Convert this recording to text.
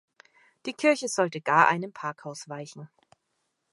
Die Kirche sollte gar einem Parkhaus weichen.